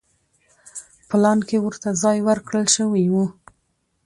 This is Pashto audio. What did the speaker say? پلان کې ورته ځای ورکړل شوی و.